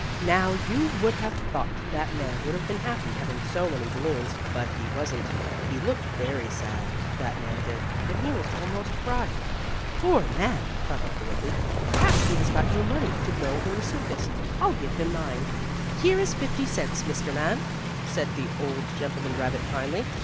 Now, you would have thought that man would have been happy, having so many balloons, but he wasn't. He looked very sad, that man did, and he was almost crying. "Poor man!" thought Uncle Wiggily. "Perhaps he has no money to go in the circus. I'll give him mine. Here is fifty cents, Mr. Man," said the old gentleman rabbit, kindly.